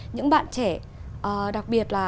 những bạn trẻ đặc biệt là